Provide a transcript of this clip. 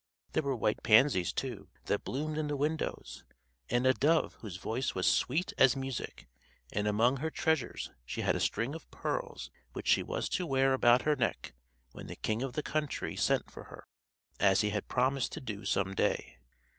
There were white pansies, too, that bloomed in the windows, and a dove whose voice was sweet as music; and among her treasures she had a string of pearls which she was to wear about her neck when the king of the country sent for her, as he had promised to do some day.